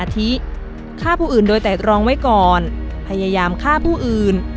ที่ฆ่าผู้อื่นโดยแต่ตรองไว้ก่อนพยายามฆ่าผู้อื่น